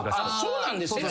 そうなんですね！